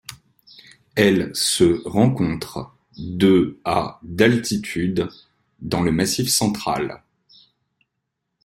Elle se rencontre de à d'altitude dans le massif Central.